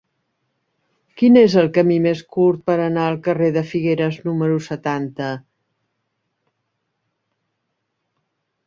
Quin és el camí més curt per anar al carrer de Figueres número setanta?